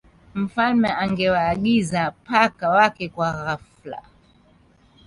mfalme angewaagiza paka Wake kwa ghafla